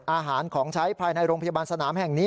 อาหารของใช้ภายในโรงพยาบาลสนามแห่งนี้